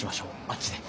あっちで。